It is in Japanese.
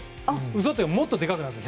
嘘というかもっとでかくなります。